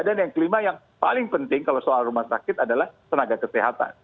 dan yang kelima yang paling penting kalau soal rumah sakit adalah tenaga kesehatan